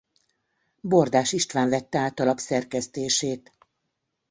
Bordás István vette át a lap szerkesztését.